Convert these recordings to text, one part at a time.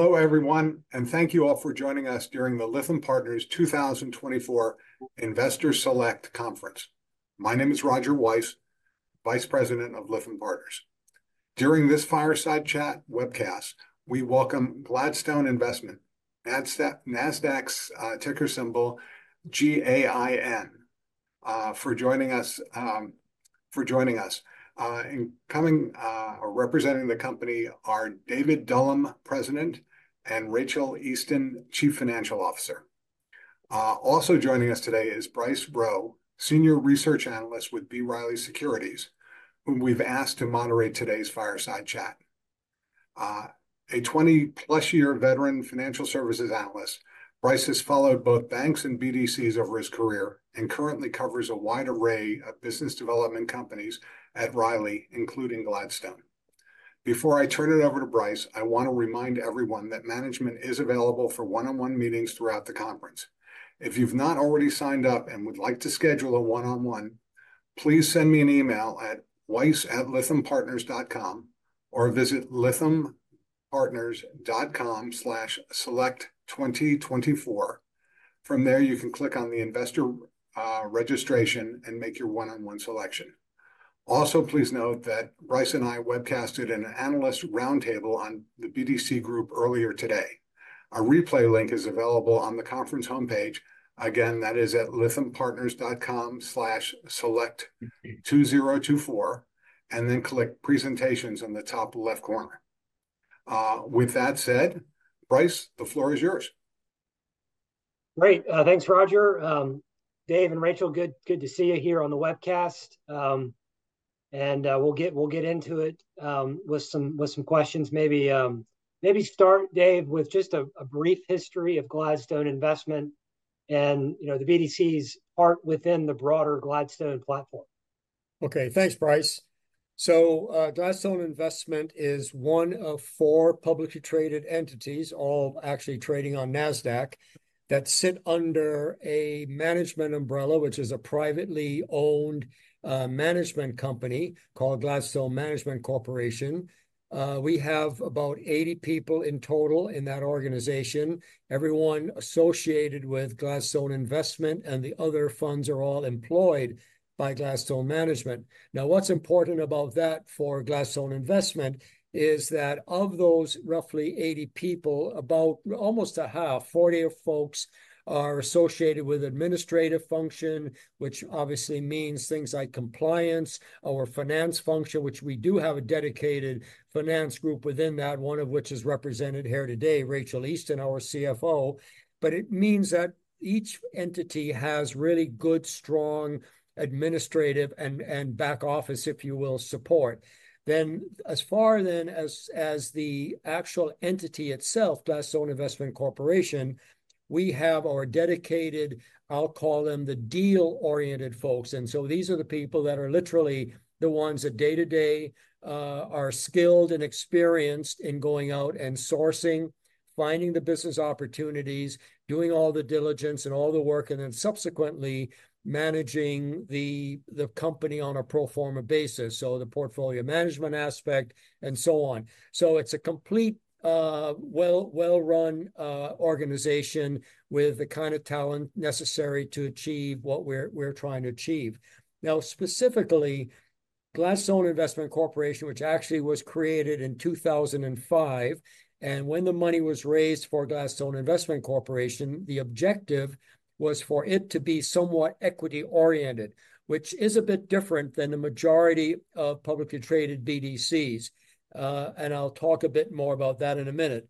Hello, everyone, and thank you all for joining us during the Lytham Partners 2024 Investor Select Conference. My name is Roger Weiss, Vice President of Lytham Partners. During this fireside chat webcast, we welcome Gladstone Investment, NASDAQ's ticker symbol G-A-I-N for joining us. And coming or representing the company are David Dullum, President, and Rachael Easton, Chief Financial Officer. Also joining us today is Bryce Rowe, Senior Research Analyst with B. Riley Securities, whom we've asked to moderate today's fireside chat. A 20+ year veteran financial services analyst, Bryce has followed both banks and BDCs over his career and currently covers a wide array of business development companies at Riley, including Gladstone. Before I turn it over to Bryce, I want to remind everyone that management is available for one-on-one meetings throughout the conference. If you've not already signed up and would like to schedule a one-on-one, please send me an email at Weiss@lythampartners.com or visit lythampartners.com/select2024. From there, you can click on the investor registration and make your one-on-one selection. Also, please note that Bryce and I webcasted an analyst roundtable on the BDC group earlier today. A replay link is available on the conference homepage. Again, that is at lythampartners.com/select2024, and then click Presentations on the top left corner. With that said, Bryce, the floor is yours. Great. Thanks, Roger. Dave and Rachael, good to see you here on the webcast. And we'll get into it with some questions. Maybe start, Dave, with just a brief history of Gladstone Investment and, you know, the BDC's part within the broader Gladstone platform. Okay. Thanks, Bryce. So, Gladstone Investment is one of four publicly traded entities, all actually trading on Nasdaq, that sit under a management umbrella, which is a privately owned management company called Gladstone Management Corporation. We have about 80 people in total in that organization, everyone associated with Gladstone Investment, and the other funds are all employed by Gladstone Management. Now, what's important about that for Gladstone Investment is that of those roughly 80 people, about almost a half, 40 folks, are associated with administrative function, which obviously means things like compliance, our finance function, which we do have a dedicated finance group within that, one of which is represented here today, Rachael Easton, our CFO. But it means that each entity has really good, strong administrative and back office, if you will, support. As far as the actual entity itself, Gladstone Investment Corporation, we have our dedicated, I'll call them the deal-oriented folks, and so these are the people that are literally the ones that day-to-day are skilled and experienced in going out and sourcing, finding the business opportunities, doing all the diligence and all the work, and then subsequently managing the company on a pro forma basis, so the portfolio management aspect and so on. So it's a complete, well-run organization with the kind of talent necessary to achieve what we're trying to achieve. Now, specifically, Gladstone Investment Corporation, which actually was created in 2005, and when the money was raised for Gladstone Investment Corporation, the objective was for it to be somewhat equity-oriented, which is a bit different than the majority of publicly traded BDCs, and I'll talk a bit more about that in a minute.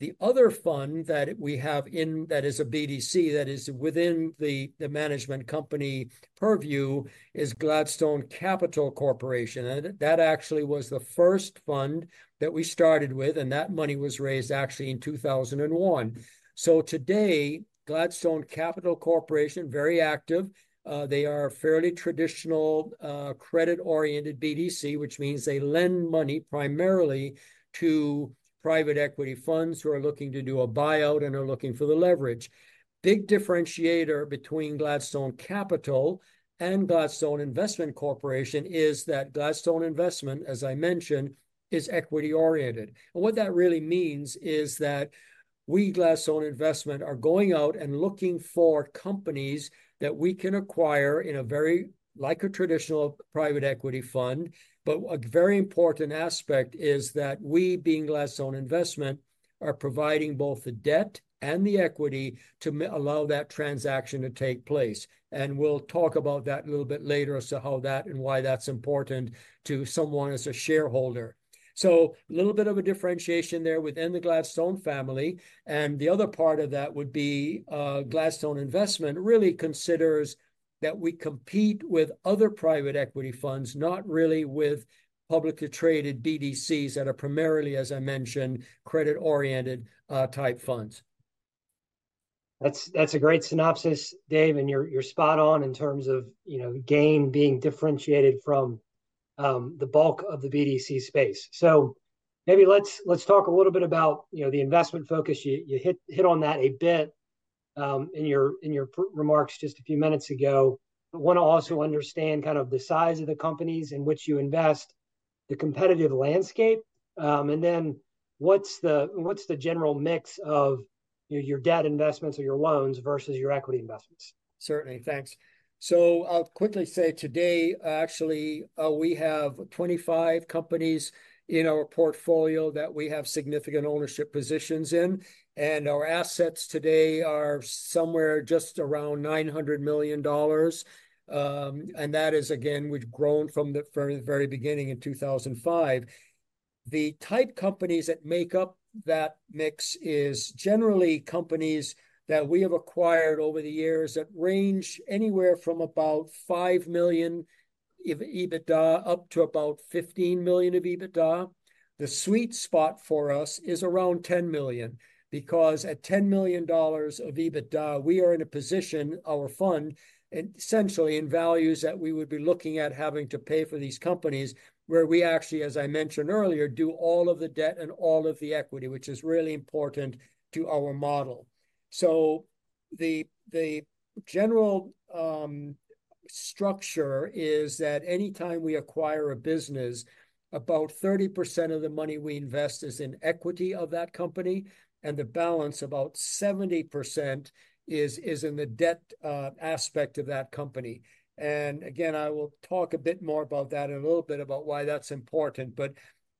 The other fund that we have that is a BDC that is within the management company purview, is Gladstone Capital Corporation, and that actually was the first fund that we started with, and that money was raised actually in 2001. So today, Gladstone Capital Corporation, very active, they are a fairly traditional, credit-oriented BDC, which means they lend money primarily to private equity funds who are looking to do a buyout and are looking for the leverage. Big differentiator between Gladstone Capital and Gladstone Investment Corporation is that Gladstone Investment, as I mentioned, is equity-oriented. And what that really means is that we, Gladstone Investment, are going out and looking for companies that we can acquire in a very, like a traditional private equity fund, but a very important aspect is that we, being Gladstone Investment, are providing both the debt and the equity to allow that transaction to take place, and we'll talk about that a little bit later as to how that and why that's important to someone as a shareholder. So a little bit of a differentiation there within the Gladstone family, and the other part of that would be, Gladstone Investment really considers that we compete with other private equity funds, not really with publicly traded BDCs that are primarily, as I mentioned, credit-oriented type funds. That's a great synopsis, Dave, and you're spot on in terms of, you know, GAIN being differentiated from the bulk of the BDC space. So maybe let's talk a little bit about, you know, the investment focus. You hit on that a bit in your remarks just a few minutes ago. I want to also understand kind of the size of the companies in which you invest, the competitive landscape, and then what's the general mix of your debt investments or your loans versus your equity investments? Certainly. Thanks. So I'll quickly say today, actually, we have 25 companies in our portfolio that we have significant ownership positions in, and our assets today are somewhere just around $900 million. And that is, again, we've grown from the very, very beginning in 2005. The type companies that make up that mix is generally companies that we have acquired over the years that range anywhere from about $5 million of EBITDA up to about $15 million of EBITDA. The sweet spot for us is around $10 million, because at $10 million of EBITDA, we are in a position, our fund, essentially in values that we would be looking at having to pay for these companies, where we actually, as I mentioned earlier, do all of the debt and all of the equity, which is really important to our model. So the general structure is that anytime we acquire a business, about 30% of the money we invest is in equity of that company, and the balance, about 70%, is in the debt aspect of that company. And again, I will talk a bit more about that in a little bit about why that's important. But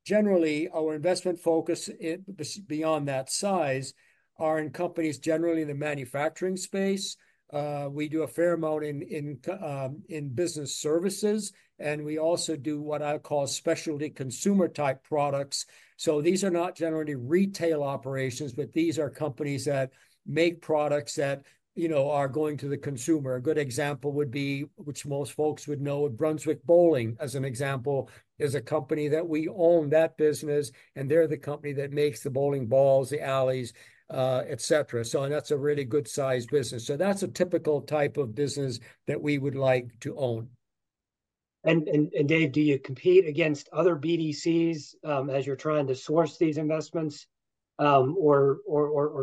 generally, our investment focus in business beyond that size are in companies, generally in the manufacturing space. We do a fair amount in business services, and we also do what I call specialty consumer-type products. So these are not generally retail operations, but these are companies that make products that, you know, are going to the consumer. A good example would be, which most folks would know, Brunswick Bowling, as an example, is a company that we own that business, and they're the company that makes the bowling balls, the alleys, et cetera. So and that's a really good-sized business. So that's a typical type of business that we would like to own. Dave, do you compete against other BDCs as you're trying to source these investments, or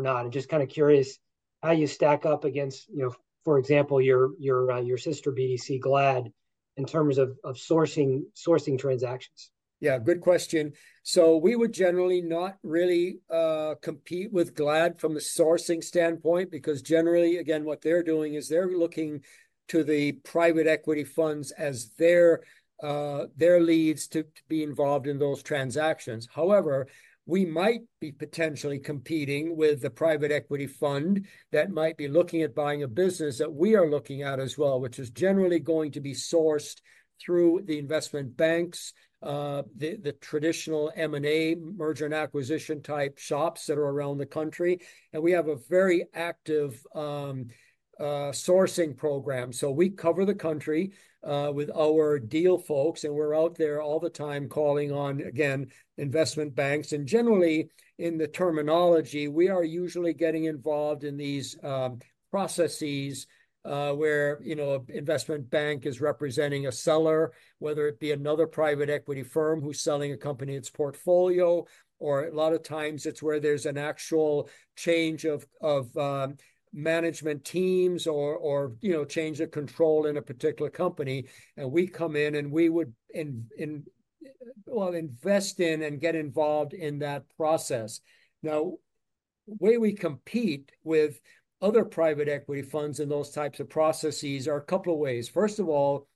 not? I'm just kind of curious how you stack up against, you know, for example, your sister BDC, GLAD, in terms of sourcing transactions. Yeah, good question. So we would generally not really compete with GLAD from a sourcing standpoint, because generally, again, what they're doing is they're looking to the private equity funds as their leads to be involved in those transactions. However, we might be potentially competing with the private equity fund that might be looking at buying a business that we are looking at as well, which is generally going to be sourced through the investment banks, the traditional M&A, merger and acquisition-type shops that are around the country, and we have a very active sourcing program. So we cover the country with our deal folks, and we're out there all the time calling on, again, investment banks. Generally, in the terminology, we are usually getting involved in these processes, where, you know, investment bank is representing a seller, whether it be another private equity firm who's selling a company in its portfolio, or a lot of times it's where there's an actual change of management teams or, you know, change of control in a particular company, and we come in, and we would invest in and get involved in that process. Now, the way we compete with other private equity funds and those types of processes are a couple of ways. First of all,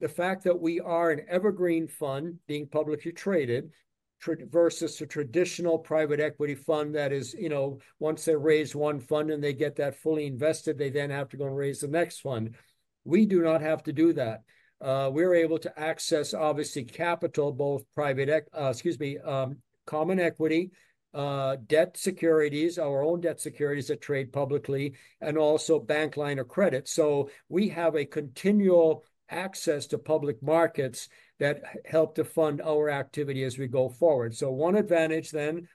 the fact that we are an evergreen fund, being publicly traded, versus a traditional private equity fund, that is, you know, once they've raised one fund and they get that fully invested, they then have to go and raise the next fund. We do not have to do that. We're able to access, obviously, capital, both common equity, debt securities, our own debt securities that trade publicly, and also bank line of credit. So we have a continual access to public markets that help to fund our activity as we go forward. So one advantage then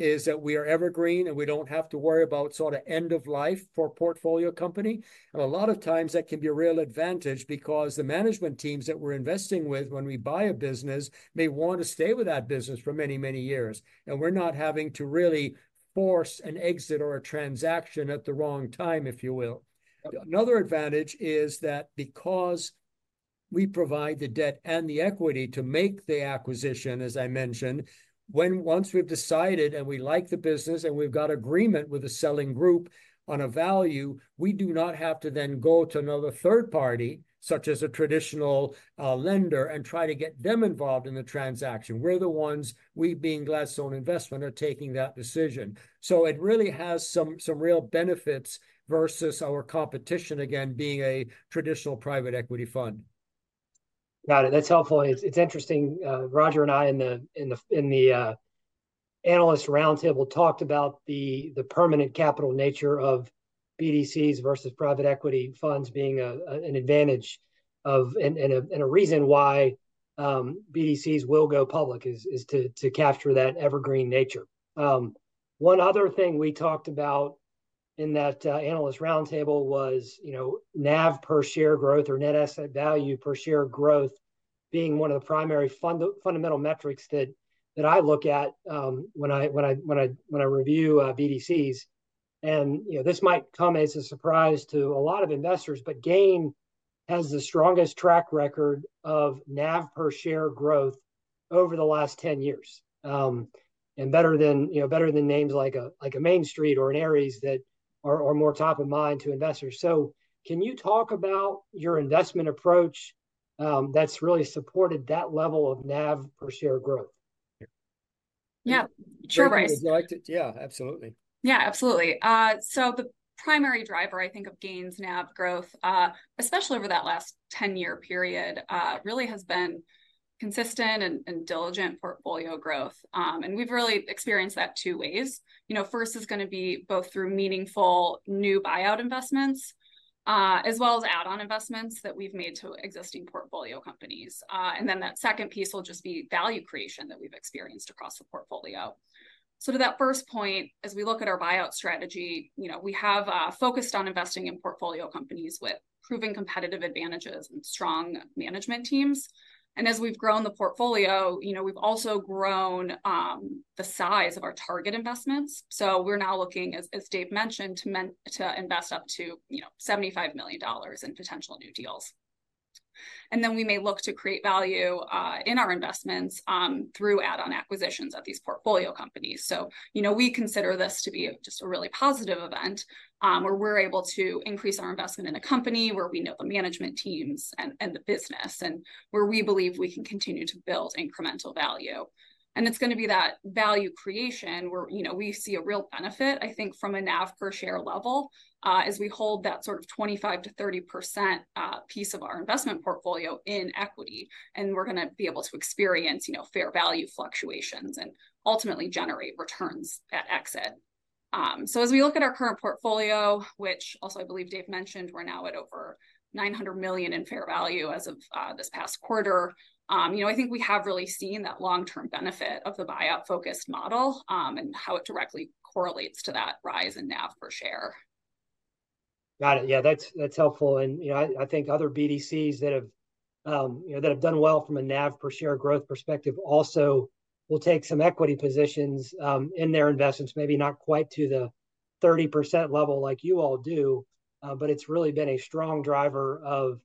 is that we are evergreen, and we don't have to worry about sort of end of life for a portfolio company. And a lot of times that can be a real advantage because the management teams that we're investing with when we buy a business may want to stay with that business for many, many years, and we're not having to really force an exit or a transaction at the wrong time, if you will. Yep. Another advantage is that because we provide the debt and the equity to make the acquisition, as I mentioned, once we've decided, and we like the business, and we've got agreement with the selling group on a value, we do not have to then go to another third party, such as a traditional lender, and try to get them involved in the transaction. We're the ones, we being Gladstone Investment, are taking that decision. So it really has some, some real benefits versus our competition, again, being a traditional private equity fund. Got it. That's helpful, and it's interesting. Roger and I, in the analyst roundtable, talked about the permanent capital nature of BDCs versus private equity funds being an advantage and a reason why BDCs will go public, is to capture that evergreen nature. One other thing we talked about in that analyst roundtable was, you know, NAV per share growth or net asset value per share growth being one of the primary fundamental metrics that I look at when I review BDCs. And, you know, this might come as a surprise to a lot of investors, but GAIN has the strongest track record of NAV per share growth over the last 10 years. And better than, you know, better than names like a Main Street or an Ares that are more top of mind to investors. So can you talk about your investment approach that's really supported that level of NAV per share growth? Yeah, sure, Bryce. Dave, would you like to? Yeah, absolutely. Yeah, absolutely. So the primary driver, I think, of GAIN's NAV growth, especially over that last 10-year period, really has been consistent and diligent portfolio growth. And we've really experienced that two ways. You know, first is gonna be both through meaningful new buyout investments, as well as add-on investments that we've made to existing portfolio companies. And then that second piece will just be value creation that we've experienced across the portfolio. So to that first point, as we look at our buyout strategy, you know, we have focused on investing in portfolio companies with proven competitive advantages and strong management teams. And as we've grown the portfolio, you know, we've also grown the size of our target investments. So we're now looking, as Dave mentioned, to invest up to, you know, $75 million in potential new deals. And then we may look to create value in our investments through add-on acquisitions of these portfolio companies. So, you know, we consider this to be just a really positive event where we're able to increase our investment in a company where we know the management teams and the business, and where we believe we can continue to build incremental value. And it's gonna be that value creation where, you know, we see a real benefit, I think, from a NAV per share level as we hold that sort of 25%-30% piece of our investment portfolio in equity, and we're gonna be able to experience, you know, fair value fluctuations and ultimately generate returns at exit. So as we look at our current portfolio, which also, I believe Dave mentioned, we're now at over $900 million in fair value as of this past quarter, you know, I think we have really seen that long-term benefit of the buyout-focused model, and how it directly correlates to that rise in NAV per share. Got it. Yeah, that's helpful. And, you know, I think other BDCs that have, you know, that have done well from a NAV per share growth perspective also will take some equity positions in their investments, maybe not quite to the 30% level like you all do, but it's really been a strong driver of,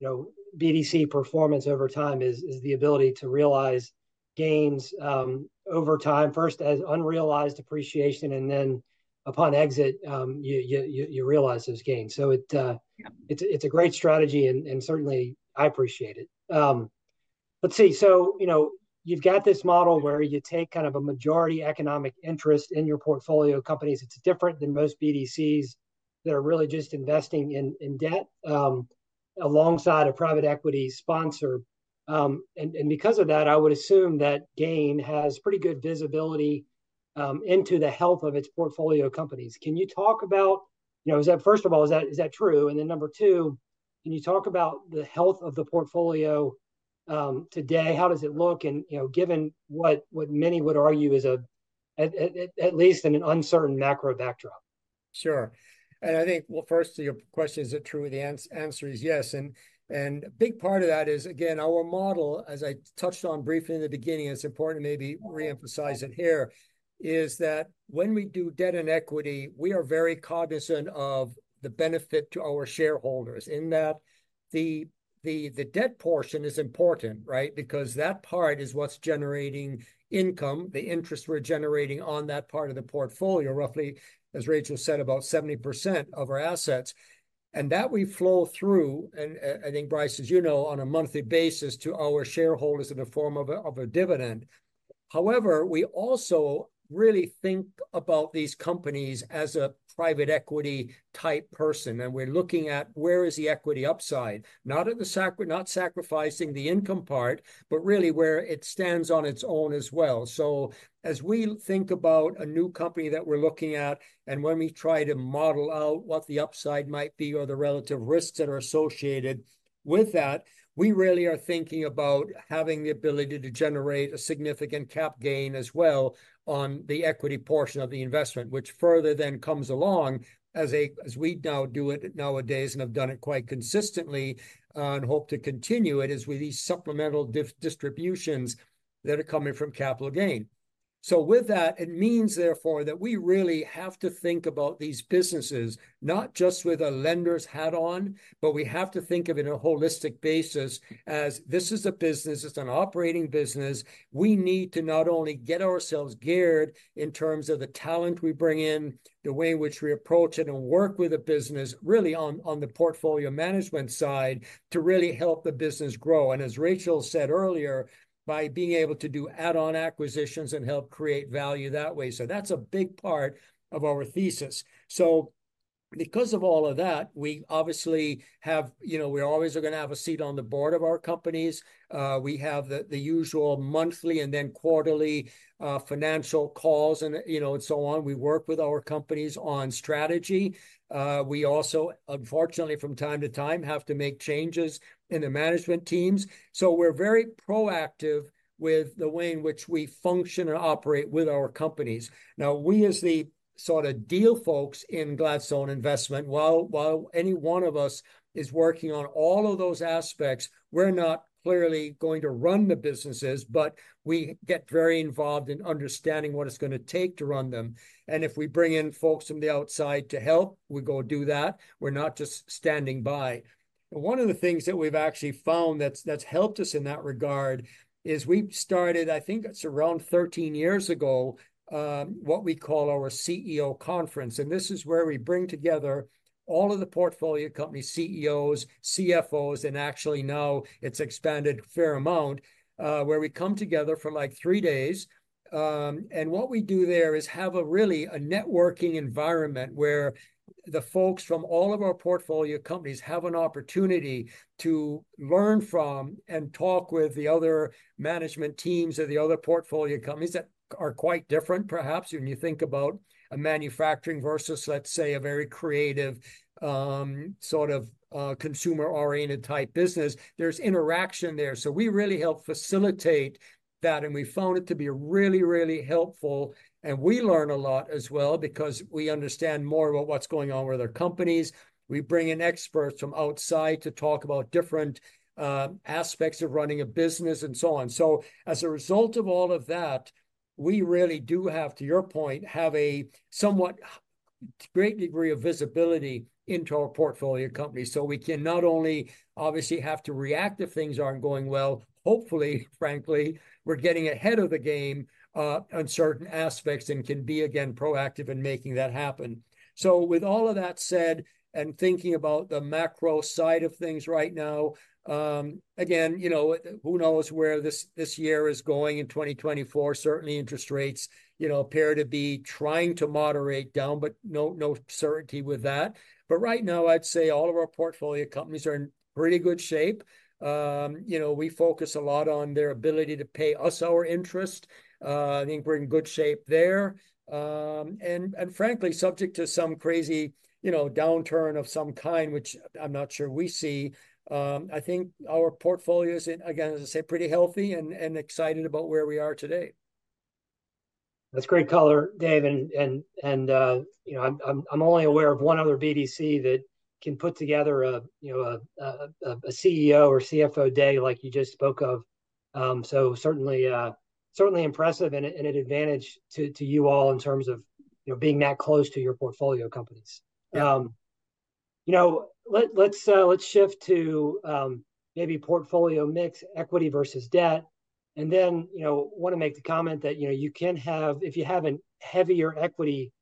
you know, BDC performance over time is the ability to realize gains over time, first as unrealized appreciation, and then upon exit, you realize those gains. It's a great strategy, and certainly, I appreciate it. So, you know, you've got this model where you take kind of a majority economic interest in your portfolio companies. It's different than most BDCs that are really just investing in debt alongside a private equity sponsor. And because of that, I would assume that GAIN has pretty good visibility into the health of its portfolio companies. Can you talk about you know, is that, first of all, true? And then number two, can you talk about the health of the portfolio today? How does it look and, you know, given what many would argue is at least an uncertain macro backdrop? Sure. And I think, well, first to your question, is it true? The answer is yes. And a big part of that is, again, our model, as I touched on briefly in the beginning. It's important to maybe reemphasize it here, is that when we do debt and equity, we are very cognizant of the benefit to our shareholders in that the debt portion is important, right? Because that part is what's generating income, the interest we're generating on that part of the portfolio, roughly, as Rachael said, about 70% of our assets. And that we flow through, and I think Bryce, as you know, on a monthly basis to our shareholders in the form of a dividend. However, we also really think about these companies as a private equity-type person, and we're looking at where is the equity upside? Not sacrificing the income part, but really where it stands on its own as well. So as we think about a new company that we're looking at, and when we try to model out what the upside might be or the relative risks that are associated with that, we really are thinking about having the ability to generate a significant capital gain as well on the equity portion of the investment, which further then comes along as we now do it nowadays, and have done it quite consistently, and hope to continue it, is with these supplemental distributions that are coming from capital gain. So with that, it means therefore that we really have to think about these businesses, not just with a lender's hat on, but we have to think of in a holistic basis as this is a business. It's an operating business. We need to not only get ourselves geared in terms of the talent we bring in, the way in which we approach it and work with the business, really on the portfolio management side, to really help the business grow. And as Rachel said earlier, by being able to do add-on acquisitions and help create value that way. So that's a big part of our thesis. Because of all of that, we obviously have, you know, we always are gonna have a seat on the board of our companies. We have the, the usual monthly and then quarterly, financial calls and, you know, and so on. We work with our companies on strategy. We also, unfortunately, from time to time, have to make changes in the management teams. So we're very proactive with the way in which we function and operate with our companies. Now, we as the sort of deal folks in Gladstone Investment, while, while any one of us is working on all of those aspects, we're not clearly going to run the businesses, but we get very involved in understanding what it's gonna take to run them. And if we bring in folks from the outside to help, we go do that. We're not just standing by. One of the things that we've actually found that's helped us in that regard is we've started, I think it's around 13 years ago, what we call our CEO conference, and this is where we bring together all of the portfolio company CEOs, CFOs, and actually now it's expanded a fair amount, where we come together for, like, three days. And what we do there is have a really a networking environment where the folks from all of our portfolio companies have an opportunity to learn from and talk with the other management teams of the other portfolio companies that are quite different, perhaps, when you think about a manufacturing versus, let's say, a very creative sort of consumer-oriented type business. There's interaction there, so we really help facilitate that, and we found it to be really, really helpful. We learn a lot as well because we understand more about what's going on with other companies. We bring in experts from outside to talk about different, aspects of running a business, and so on. As a result of all of that, we really do have, to your point, have a somewhat great degree of visibility into our portfolio companies. We can not only obviously have to react if things aren't going well, hopefully, frankly, we're getting ahead of the game, on certain aspects and can be, again, proactive in making that happen. With all of that said, and thinking about the macro side of things right now, again, you know, who knows where this, this year is going in 2024? Certainly, interest rates, you know, appear to be trying to moderate down, but no, no certainty with that. But right now, I'd say all of our portfolio companies are in pretty good shape. You know, we focus a lot on their ability to pay us our interest. I think we're in good shape there. And frankly, subject to some crazy, you know, downturn of some kind, which I'm not sure we see, I think our portfolio is, again, as I say, pretty healthy and excited about where we are today. That's great color, Dave, you know, I'm only aware of one other BDC that can put together a, you know, a CEO or CFO day like you just spoke of. So certainly impressive and an advantage to you all in terms of, you know, being that close to your portfolio companies. You know, let's shift to maybe portfolio mix, equity versus debt, and then, you know, want to make the comment that, you know, you can have if you have a heavier equity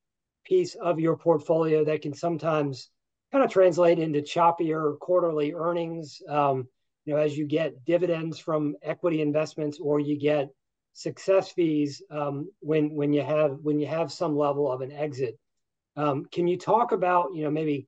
piece of your portfolio, that can sometimes kind of translate into choppier quarterly earnings, you know, as you get dividends from equity investments, or you get success fees, when you have some level of an exit. Can you talk about, you know, maybe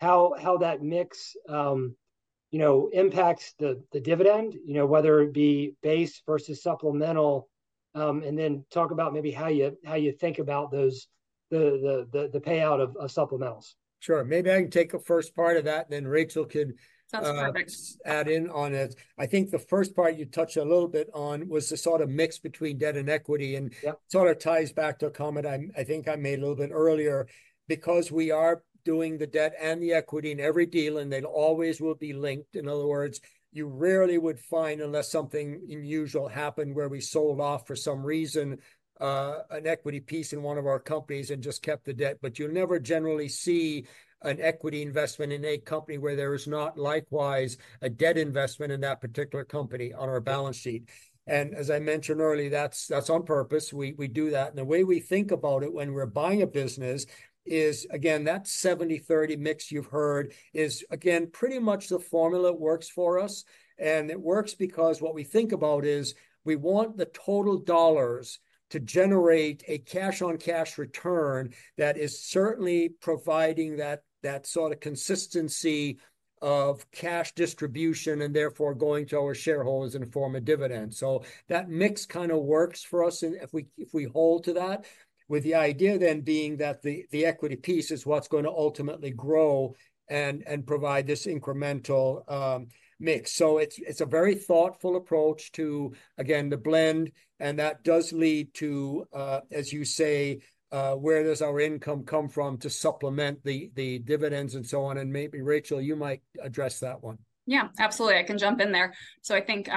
how that mix, you know, impacts the dividend, you know, whether it be base versus supplemental, and then talk about maybe how you think about those, the payout of supplementals? Sure. Maybe I can take the first part of that, and then Rachael could. Sounds perfect. Add in on it. I think the first part you touched a little bit on was the sort of mix between debt and equity, and. Yeah Sort of ties back to a comment I, I think I made a little bit earlier, because we are doing the debt and the equity in every deal, and they always will be linked. In other words, you rarely would find, unless something unusual happened, where we sold off, for some reason, an equity piece in one of our companies and just kept the debt. But you'll never generally see an equity investment in a company where there is not likewise a debt investment in that particular company on our balance sheet. And as I mentioned earlier, that's, that's on purpose. We, we do that, and the way we think about it when we're buying a business is, again, that 70-30 mix you've heard is, again, pretty much the formula that works for us. And it works because what we think about is we want the total dollars to generate a cash-on-cash return that is certainly providing that, that sort of consistency of cash distribution, and therefore going to our shareholders in the form of dividends. So that mix kind of works for us and if we hold to that, with the idea then being that the equity piece is what's going to ultimately grow and provide this incremental mix. So it's a very thoughtful approach to, again, the blend, and that does lead to, as you say, where does our income come from to supplement the dividends, and so on? And maybe, Rachael, you might address that one. Yeah, absolutely. I can jump in there. So I think,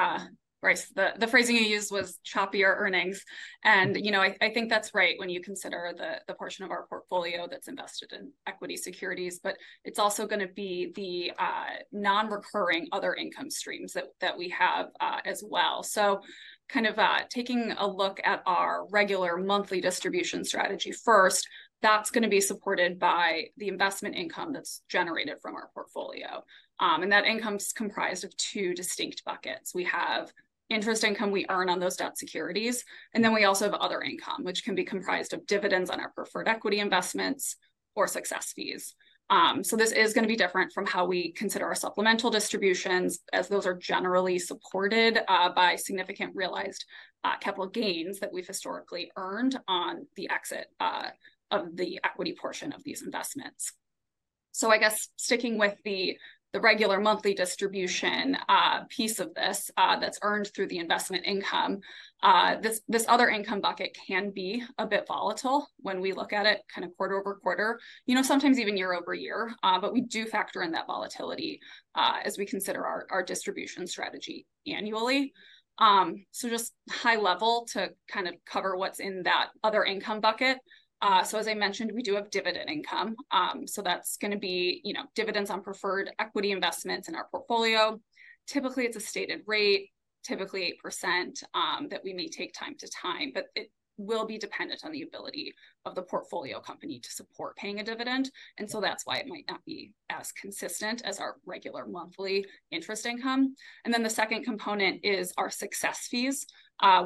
Bryce, the phrasing you used was choppier earnings, and, you know, I think that's right when you consider the portion of our portfolio that's invested in equity securities, but it's also gonna be the non-recurring other income streams that we have as well. So kind of taking a look at our regular monthly distribution strategy first, that's gonna be supported by the investment income that's generated from our portfolio. And that income's comprised of two distinct buckets. We have interest income we earn on those debt securities, and then we also have other income, which can be comprised of dividends on our preferred equity investments or success fees. So this is gonna be different from how we consider our supplemental distributions, as those are generally supported by significant realized capital gains that we've historically earned on the exit of the equity portion of these investments. So I guess sticking with the regular monthly distribution piece of this that's earned through the investment income, this other income bucket can be a bit volatile when we look at it kind of quarter-over-quarter, you know, sometimes even year-over-year. But we do factor in that volatility as we consider our distribution strategy annually. So just high level to kind of cover what's in that other income bucket. So as I mentioned, we do have dividend income, so that's gonna be, you know, dividends on preferred equity investments in our portfolio. Typically, it's a stated rate, typically 8%, that we may take time to time, but it will be dependent on the ability of the portfolio company to support paying a dividend, and so that's why it might not be as consistent as our regular monthly interest income. And then the second component is our success fees,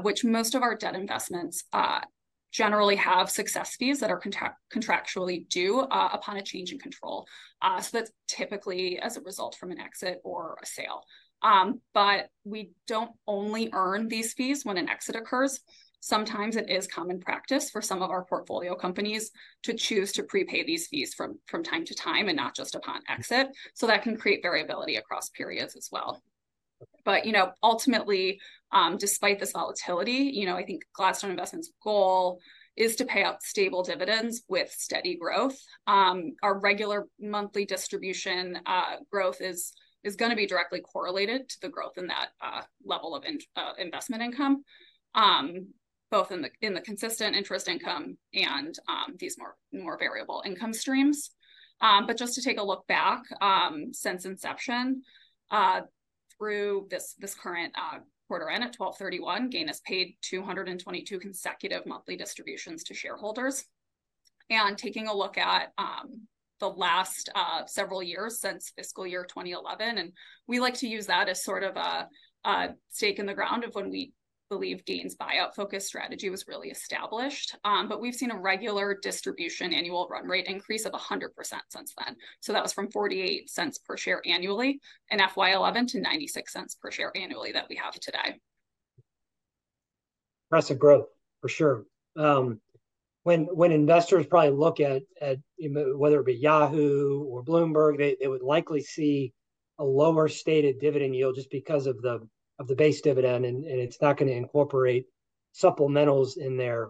which most of our debt investments generally have success fees that are contractually due upon a change in control. So that's typically as a result from an exit or a sale. But we don't only earn these fees when an exit occurs. Sometimes it is common practice for some of our portfolio companies to choose to prepay these fees from time to time, and not just upon exit, so that can create variability across periods as well. But, you know, ultimately, despite this volatility, you know, I think Gladstone Investment's goal is to pay out stable dividends with steady growth. Our regular monthly distribution growth is gonna be directly correlated to the growth in that level of investment income, both in the consistent interest income and these more variable income streams. But just to take a look back, since inception, through this current quarter end at 12/31, GAIN has paid 222 consecutive monthly distributions to shareholders. And taking a look at the last several years, since fiscal year 2011, and we like to use that as sort of a stake in the ground of when we believe GAIN's buyout focus strategy was really established. But we've seen a regular distribution annual run rate increase of 100% since then. So that was from $0.48 per share annually in FY 2011 to $0.96 per share annually that we have today. Impressive growth, for sure. When investors probably look at whether it be Yahoo or Bloomberg, they would likely see a lower stated dividend yield just because of the base dividend, and it's not gonna incorporate supplementals in there.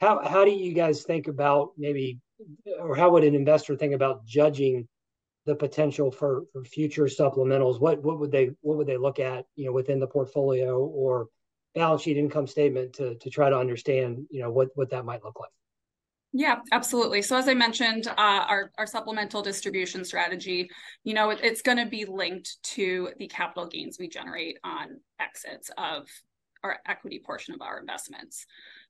How do you guys think about maybe or how would an investor think about judging the potential for future supplementals? What would they look at, you know, within the portfolio or balance sheet income statement to try to understand, you know, what that might look like? Yeah, absolutely. So as I mentioned, our supplemental distribution strategy, you know, it's gonna be linked to the capital gains we generate on exits of our equity portion of our investments.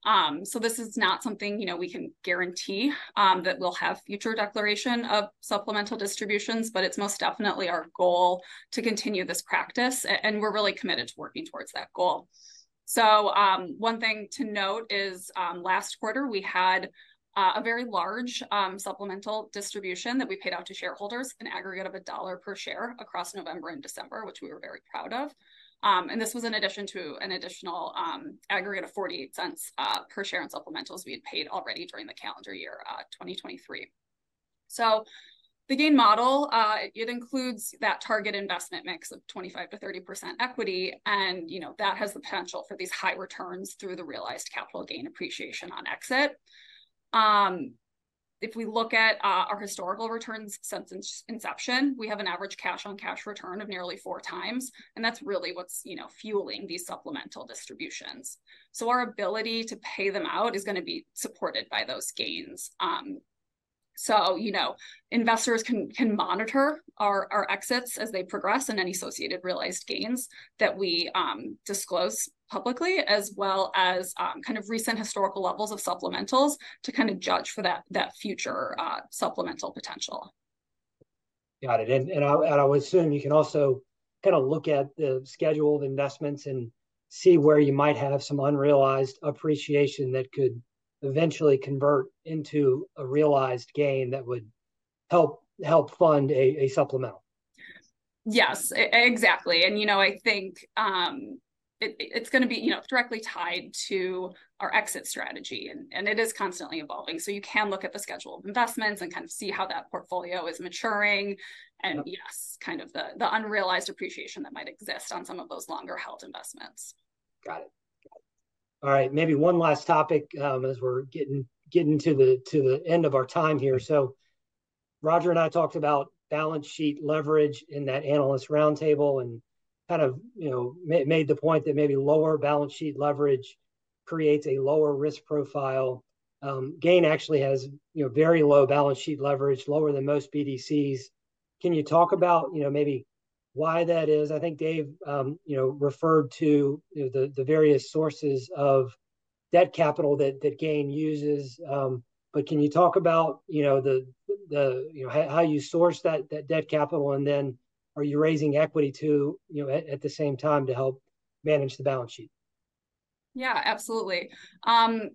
So this is not something, you know, we can guarantee that we'll have future declaration of supplemental distributions, but it's most definitely our goal to continue this practice, and we're really committed to working towards that goal. So, one thing to note is, last quarter, we had a very large supplemental distribution that we paid out to shareholders, an aggregate of $1 per share across November and December, which we were very proud of. And this was in addition to an additional aggregate of $0.48 per share in supplementals we had paid already during the calendar year 2023. So the GAIN model, it includes that target investment mix of 25%-30% equity, and, you know, that has the potential for these high returns through the realized capital gain appreciation on exit. If we look at our historical returns since inception, we have an average cash-on-cash return of nearly 4x, and that's really what's, you know, fueling these supplemental distributions. So our ability to pay them out is gonna be supported by those gains. So, you know, investors can monitor our exits as they progress, and any associated realized gains that we disclose publicly, as well as kind of recent historical levels of supplementals to kind of judge for that future supplemental potential. Got it. And I would assume you can also kind of look at the scheduled investments and see where you might have some unrealized appreciation that could eventually convert into a realized gain that would help fund a supplemental. Yes, exactly. And, you know, I think, it, it's gonna be, you know, directly tied to our exit strategy, and, and it is constantly evolving. So you can look at the schedule of investments and kind of see how that portfolio is maturing, and yes, kind of the, the unrealized appreciation that might exist on some of those longer-held investments. Got it. Got it. All right, maybe one last topic, as we're getting to the end of our time here. So Roger and I talked about balance sheet leverage in that analyst roundtable and kind of, you know, made the point that maybe lower balance sheet leverage creates a lower risk profile. GAIN actually has, you know, very low balance sheet leverage, lower than most BDCs. Can you talk about, you know, maybe why that is? I think Dave, you know, referred to, you know, the various sources of debt capital that GAIN uses, but can you talk about, you know, how you source that debt capital, and then are you raising equity to, you know, at the same time to help manage the balance sheet? Yeah, absolutely. I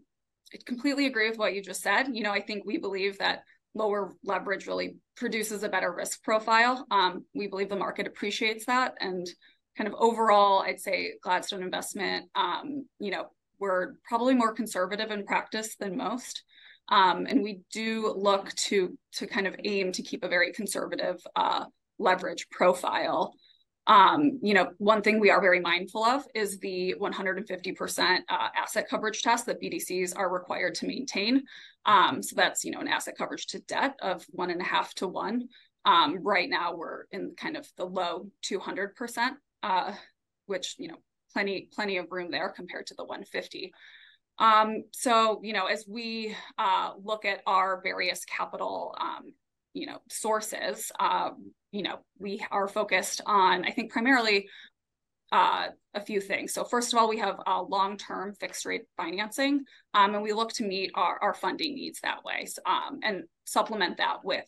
completely agree with what you just said. You know, I think we believe that lower leverage really produces a better risk profile. We believe the market appreciates that, and kind of overall, I'd say Gladstone Investment, you know, we're probably more conservative in practice than most. And we do look to kind of aim to keep a very conservative leverage profile. You know, one thing we are very mindful of is the 150% asset coverage test that BDCs are required to maintain. So that's, you know, an asset coverage to debt of 1.5-1. Right now we're in kind of the low 200%, which, you know, plenty, plenty of room there compared to the 150%. So, you know, as we look at our various capital, you know, sources, you know, we are focused on, I think, primarily, a few things. So first of all, we have long-term fixed-rate financing, and we look to meet our funding needs that way, and supplement that with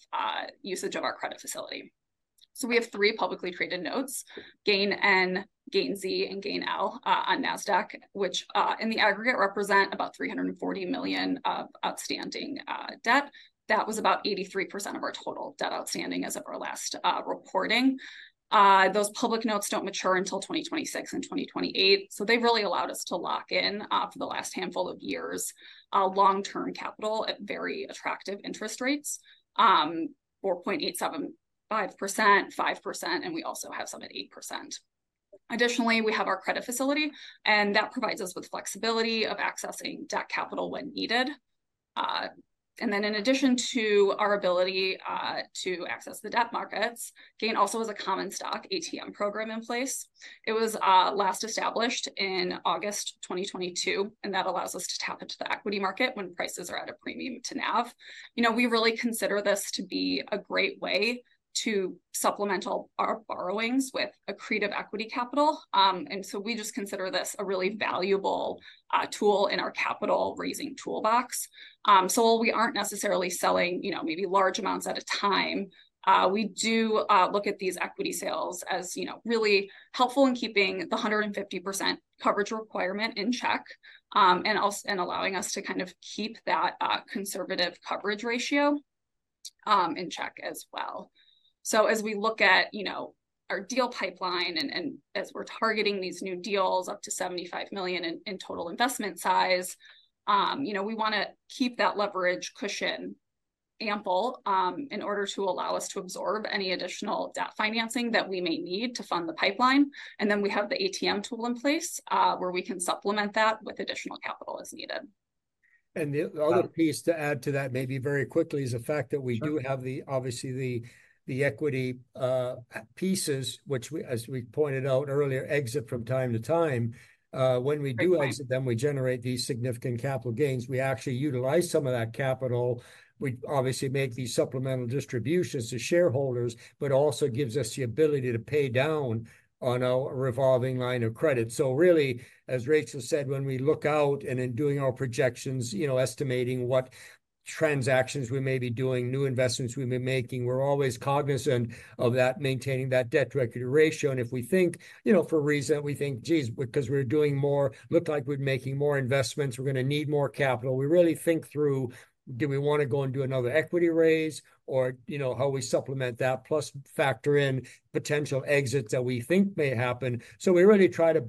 usage of our credit facility. So we have three publicly traded notes, GAINN, GAINZ, and GAINL, on Nasdaq, which in the aggregate represent about $340 million of outstanding debt. That was about 83% of our total debt outstanding as of our last reporting. Those public notes don't mature until 2026 and 2028, so they've really allowed us to lock in for the last handful of years long-term capital at very attractive interest rates, 4.875%, 5%, and we also have some at 8%. Additionally, we have our credit facility, and that provides us with flexibility of accessing debt capital when needed. And then in addition to our ability to access the debt markets, GAIN also has a common stock ATM program in place. It was last established in August 2022, and that allows us to tap into the equity market when prices are at a premium to NAV. You know, we really consider this to be a great way to supplement all our borrowings with accretive equity capital. And so we just consider this a really valuable tool in our capital-raising toolbox. So while we aren't necessarily selling, you know, maybe large amounts at a time, we do look at these equity sales as, you know, really helpful in keeping the 150% coverage requirement in check, and also and allowing us to kind of keep that conservative coverage ratio in check as well. So as we look at, you know, our deal pipeline and as we're targeting these new deals up to $75 million in total investment size, you know, we wanna keep that leverage cushion ample in order to allow us to absorb any additional debt financing that we may need to fund the pipeline, and then we have the ATM tool in place where we can supplement that with additional capital as needed. The other piece to add to that, maybe very quickly, is the fact that- Sure. We do have the, obviously, the equity pieces, which we, as we pointed out earlier, exit from time to time. When we do exit, then we generate these significant capital gains. We actually utilize some of that capital. We obviously make these supplemental distributions to shareholders, but also gives us the ability to pay down on our revolving line of credit. So really, as Rachael said, when we look out and in doing our projections, you know, estimating what transactions we may be doing, new investments we've been making, we're always cognizant of that, maintaining that debt-to-equity ratio. And if we think, you know, for a reason, we think, "Geez, because we're doing more look like we're making more investments, we're gonna need more capital," we really think through, do we wanna go and do another equity raise or, you know, how we supplement that, plus factor in potential exits that we think may happen. So we really try to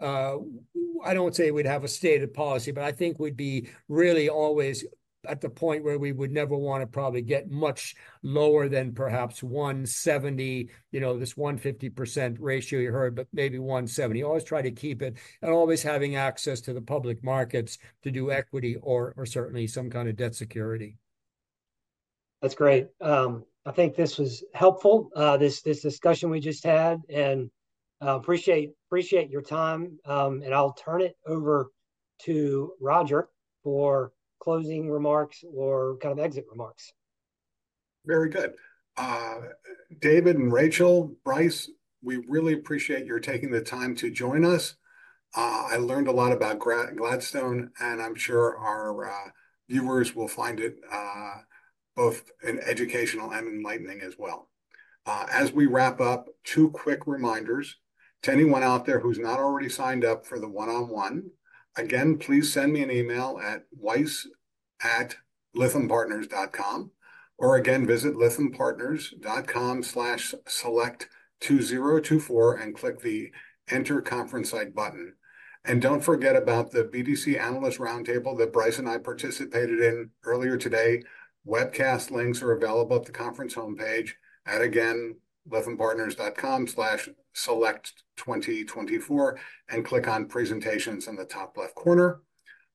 balance it. I would say, I don't want to say we'd have a stated policy, but I think we'd be really always at the point where we would never wanna probably get much lower than perhaps 170, you know, this 150% ratio you heard, but maybe 170. Always try to keep it and always having access to the public markets to do equity or certainly some kind of debt security. That's great. I think this was helpful, this discussion we just had, and appreciate your time. And I'll turn it over to Roger for closing remarks or kind of exit remarks. Very good. David and Rachel, Bryce, we really appreciate your taking the time to join us. I learned a lot about Gladstone, and I'm sure our viewers will find it both an educational and enlightening as well. As we wrap up, two quick reminders: to anyone out there who's not already signed up for the one-on-one, again, please send me an email at weiss@lythampartners.com, or again, visit lythampartners.com/select2024 and click the Enter Conference Site button. And don't forget about the BDC Analyst Roundtable that Bryce and I participated in earlier today. Webcast links are available at the conference homepage at, again, lythampartners.com/select2024, and click on Presentations in the top left corner.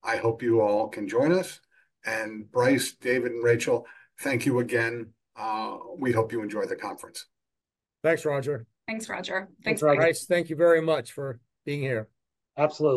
I hope you all can join us. And Bryce, David, and Rachel, thank you again. We hope you enjoy the conference. Thanks, Roger. Thanks, Roger. Thanks, Bryce. Thanks. Bryce, thank you very much for being here. Absolutely.